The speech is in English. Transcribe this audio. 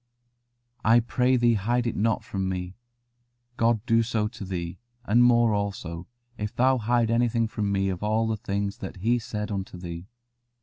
"I pray thee hide it not from me: God do so to thee, and more also, if thou hide anything from me of all the things that He said unto thee."